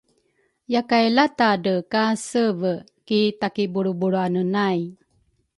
Yakay latadre ka seve ki takibulrubulruane nay